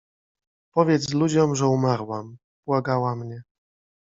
„Powiedz ludziom, że umarłam” — błagała mnie.